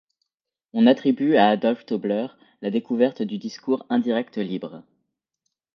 On attribue à Adolf Tobler la découverte du discours indirect libre.